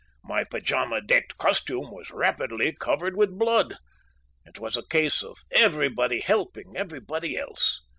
My pajama decked costume was rapidly covered with blood. It was a case of everybody helping everybody else.